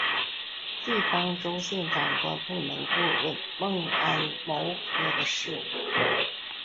地方州县长官不能过问猛安谋克的事务。